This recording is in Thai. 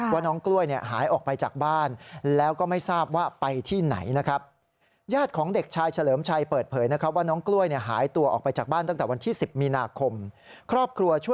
ว่าน้องกล้วยเนี่ยหายออกไปจากบ้านแล้วก็ไม่ทราบว่าไปที่ไหนนะครับ